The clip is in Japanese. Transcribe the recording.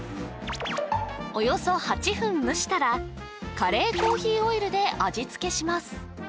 およそ８分蒸したらカレーコーヒーオイルで味付けします